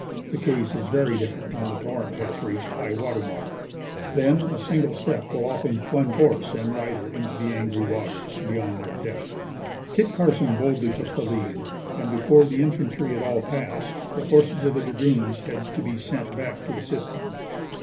The case is very different when the torrent has reached high water mark then, a single step will often plunge horse and rider into the angry waters beyond their depth. Kit Carson boldly took the lead, and before the infantry had all passed, the horses of the dragoons had to be sent back to assist them.